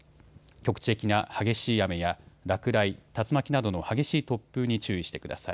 局地的な激しい雨や落雷、竜巻などの激しい突風に注意してください。